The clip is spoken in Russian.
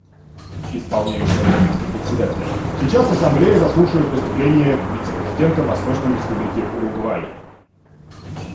Исполняющий обязанности Председателя: Сейчас Ассамблея заслушает выступление вице-президента Восточной Республики Уругвай.